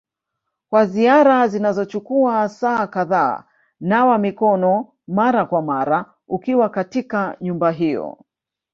kwa ziara zinazochukua saa kadhaa nawa mikono mara kwa mara ukiwa katika nyumba hiyo.